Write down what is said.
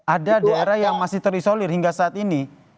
ada daerah yang masih terisolir hingga saat ini